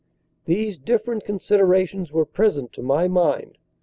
"These different considerations were present to my mind.